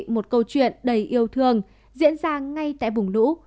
một câu chuyện đầy yêu thương diễn ra ngay tại vùng lũ